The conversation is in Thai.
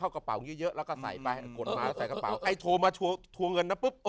แล้วอยู่ในกระเป๋าหวังว่าไม่จะมาอีก